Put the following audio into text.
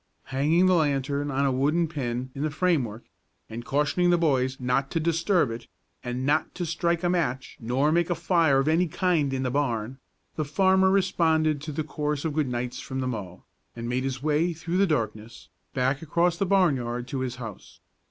Hanging the lantern on a wooden pin in the framework, and cautioning the boys not to disturb it, and not to strike a match nor make a fire of any kind in the barn, the farmer responded to the chorus of good nights from the mow, and made his way through the darkness, back across the barnyard to his house.